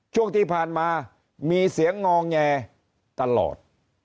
ช่วงที่ผ่านมามีเสียงงอแงตลอด